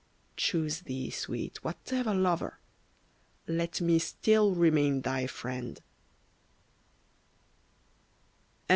Choose thee, Sweet, whatever lover, Let me still remain thy friend.